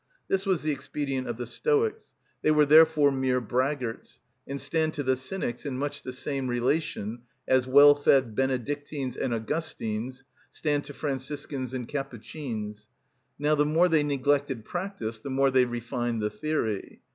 This was the expedient of the Stoics; they were therefore mere braggarts, and stand to the Cynics in much the same relation as well fed Benedictines and Augustines stand to Franciscans and Capucines. Now the more they neglected practice, the more they refined the theory.